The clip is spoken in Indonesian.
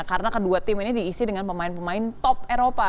karena kedua tim ini diisi dengan pemain pemain top eropa